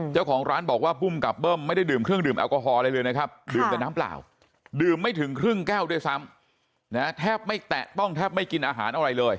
เจ้าของร้านบอกว่าภูมิกับเบิ้มไม่ได้ดื่มเครื่องดื่มแอลกอฮอลอะไรเลยนะครับดื่มแต่น้ำเปล่าดื่มไม่ถึงครึ่งแก้วด้วยซ้ำแทบไม่แตะต้องแทบไม่กินอาหารอะไรเลย